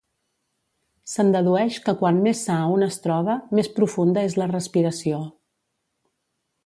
Se'n dedueix que quan més sa un es troba, més profunda és la respiració.